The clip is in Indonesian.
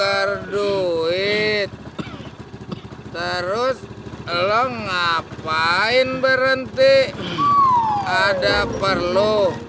oh buka duit terus lo ngapain berhenti ada perlu